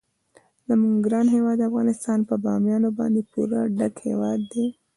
زموږ ګران هیواد افغانستان په بامیان باندې پوره ډک هیواد دی.